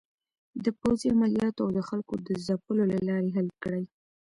د پوځې عملیاتو او د خلکو د ځپلو له لارې حل کړي.